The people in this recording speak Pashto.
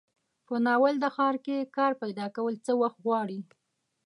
په ناولده ښار کې کار پیداکول څه وخت غواړي.